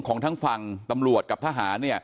ของทั้งฝั่งตำรวจกับทหาร